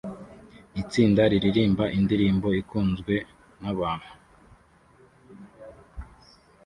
Itsinda riririmba indirimbo ikunzwe nabantu